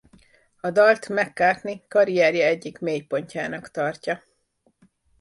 A dalt McCartney karrierje egyik mélypontjának tartja.